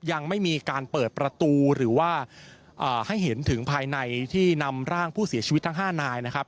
ยังไม่มีการเปิดประตูหรือว่าให้เห็นถึงภายในที่นำร่างผู้เสียชีวิตทั้ง๕นายนะครับ